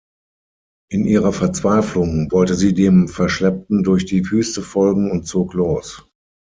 In ihrer Verzweiflung wollte sie dem Verschleppten durch die Wüste folgen und zog los.